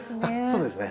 そうですね。